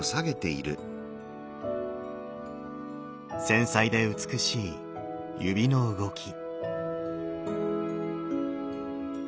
繊細で美しい指の動き。